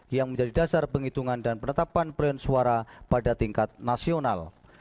yang menjadi dasar penghitungan dan penetapan pelian suara pada tingkat nasional